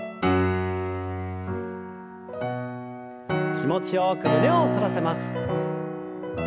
気持ちよく胸を反らせます。